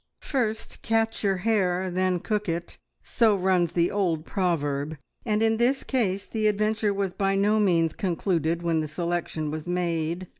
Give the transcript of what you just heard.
"First catch your hare, then cook it," so runs the old proverb, and in this case the adventure was by no means concluded when the selection was made.